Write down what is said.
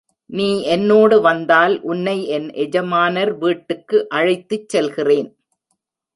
நீ என்னோடு வந்தால், உன்னை என் எஜமானர் வீட்டுக்கு அழைத்துச் செல்கிறேன்.